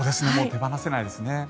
手放せないですね。